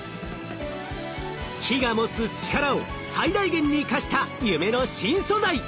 木が持つ力を最大限に生かした夢の新素材。